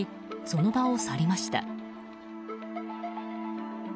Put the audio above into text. その場を去りました。